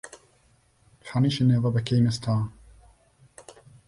Funny she never became a star.